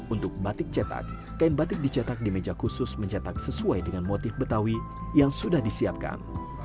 untuk batik cetak kain batik dicetak di meja khusus mencetak sesuai dengan motif betawi yang sudah disiapkan